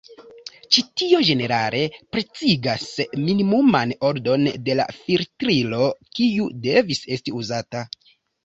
Ĉi tio ĝenerale precizigas minimuman ordon de la filtrilo kiu devas esti uzata.